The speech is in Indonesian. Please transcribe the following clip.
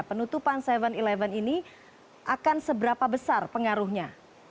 penutupan tujuh sebelas ini akan seberapa besar pengaruhnya